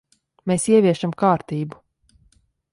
Mēs ieviešam kārtību.